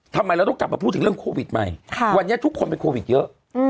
ทำไมเราต้องกลับมาพูดถึงเรื่องโควิดใหม่วันนี้ทุกคนเป็นโควิดเยอะ